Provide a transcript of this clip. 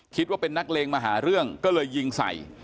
คิดว่าเป็นนักเลงมาหาเรื่องก็เลยยิงใส่